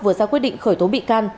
vừa ra quyết định khởi tố bị can